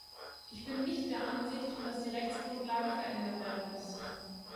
Ich bin nicht der Ansicht, dass die Rechtsgrundlage verändert werden muss.